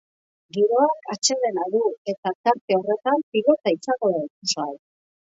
Giroak atsedena du eta tarte horretan pilota izango da ikusgai.